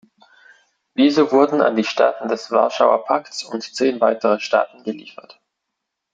Diese wurden an die Staaten des Warschauer Pakts und zehn weitere Staaten geliefert.